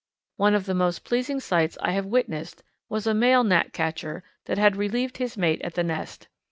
One of the most pleasing sights I have witnessed was a male Gnatcatcher that had relieved his mate at the nest.